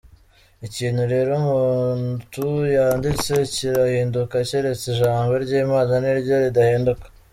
Ikintu rero umutu yanditse kirahinduka cyeretse ijambo ry’Imana niryo ridahinduka.